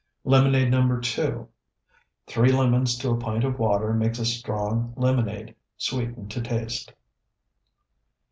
LEMONADE NO. 2 Three lemons to a pint of water makes a strong lemonade. Sweeten to taste.